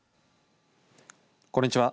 こんにちは。